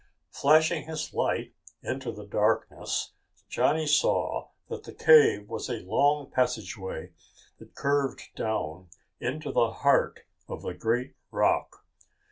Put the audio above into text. Flashing his light into the darkness, Johnny saw that the cave was a long passageway that curved down into the heart of the great rock.